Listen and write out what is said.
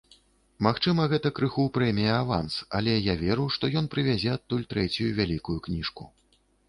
Магчыма, гэта крыху прэмія-аванс, але я веру, што ён прывязе адтуль трэцюю вялікую кніжку.